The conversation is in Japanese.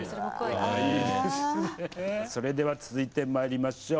それでは続いてまいりましょう。